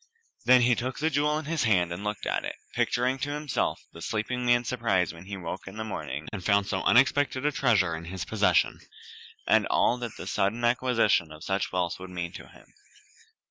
Then he took the jewel in his hand and looked at it, picturing to himself the sleeping man's surprise when he awoke in the morning and found so unexpected a treasure in his possession, and all that the sudden acquisition of such wealth would mean to him.